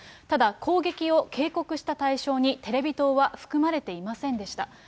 ただ攻撃を警告した対象にテレビ塔は含まれていませんでした。